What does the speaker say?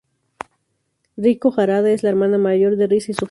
Riku Harada: Es la hermana mayor de Risa y su gemela.